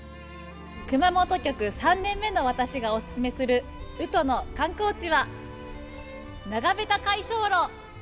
熊本局３年目の私がオススメする宇土の観光地は長部田海床路。